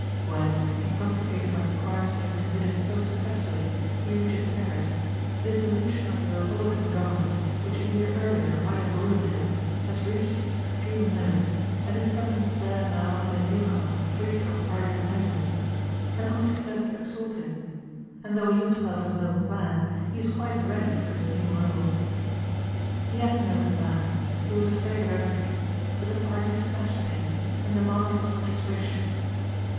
When, intoxicated by the crimes he has committed so successfully, he reaches Paris, the dissolution of the republican government, which a year earlier might have ruined him, has reached its extreme limit, and his presence there now as a newcomer free from party entanglements can only serve to exalt him—and though he himself has no plan, he is quite ready for his new rôle. He had no plan, he was afraid of everything, but the parties snatched at him and demanded his participation.